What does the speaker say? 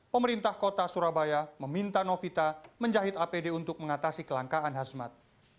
pemerintah kota surabaya meminta novita menjahit apd untuk mengatasi kelangkaan hazmat